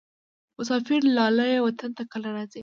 مسافر لالیه وطن ته کله راځې؟